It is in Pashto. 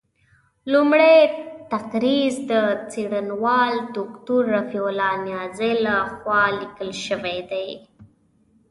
لومړۍ تقریض د څېړنوال دوکتور رفیع الله نیازي له خوا لیکل شوی دی.